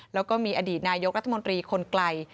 แล้วก็มีอดีตนายกรัฐมนตรีคนไกล